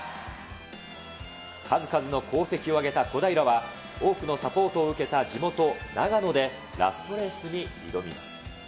数々の功績を挙げた小平は、多くのサポートを受けた地元、長野でラストレースに挑みます。